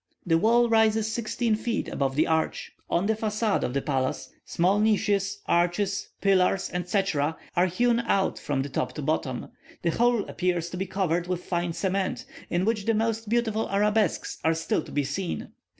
The wall rises sixteen feet above the arch. On the facade of the palace, small niches, arches, pillars, etc., are hewn out from the top to bottom; the whole appears to be covered with fine cement, in which the most beautiful arabesques are still to be seen.